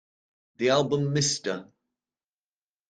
The album Mr.